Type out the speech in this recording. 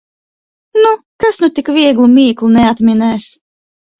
Nu, kas nu tik vieglu mīklu neatminēs!